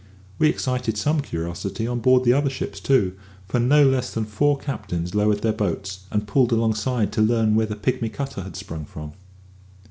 We excited some curiosity on board the other ships too, for no less than four captains lowered their boats and pulled alongside to learn where the pigmy cutter had sprung from.